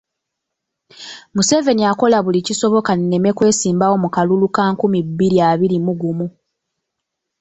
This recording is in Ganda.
Museveni akola buli kisoboka nneme kwesimbawo mu kalulu ka nkumi bbiri abiri mu gumu.